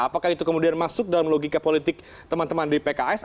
apakah itu kemudian masuk dalam logika politik teman teman di pks